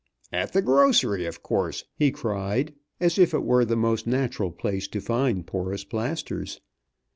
"At the grocery, of course," he cried, as if it were the most natural place to find porous plasters.